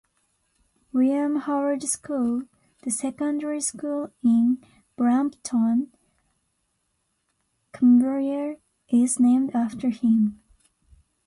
William Howard School, the secondary school in Brampton, Cumbria, is named after him.